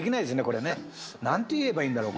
これね。なんて言えばいいんだろう？